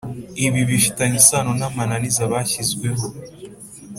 ibibifitanye isano n amananiza bashyizweho